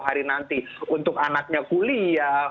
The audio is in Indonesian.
hari nanti untuk anaknya kuliah